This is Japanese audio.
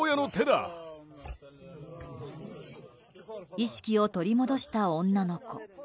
意識を取り戻した女の子。